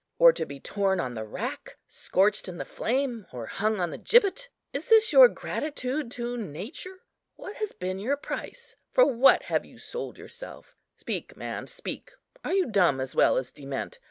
or to be torn on the rack, scorched in the flame, or hung on the gibbet? is this your gratitude to nature? What has been your price? for what have you sold yourself? Speak, man, speak. Are you dumb as well as dement?